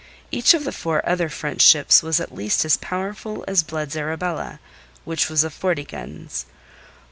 Each of the four other French ships was at least as powerful as Blood's Arabella, which was of forty guns.